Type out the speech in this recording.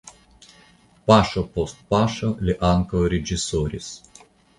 Paŝo post paŝo li ankaŭ reĝisoris.